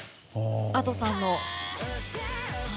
Ａｄｏさんの。